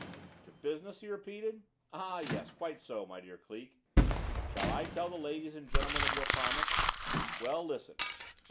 "To business?" he repeated. "Ah, yes, quite so, my dear Cleek. Shall I tell the ladies and gentlemen of your promise? Well, listen.